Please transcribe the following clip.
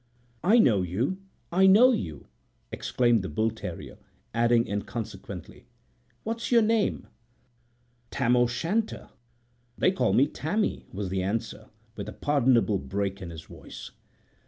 "I know you! I know you!" exclaimed the bull terrier, adding inconsequently, "What's your name?" "Tam o'Shanter. They call me Tammy," was the answer, with a pardonable break in the voice.